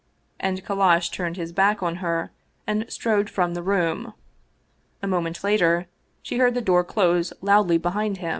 " And Kallash turned his back on her and strode from the room. A moment later, and she heard the door close loudly behind him.